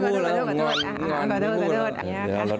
ขอโทษเดี๋ยวรอลดน้ำให้ครับครับ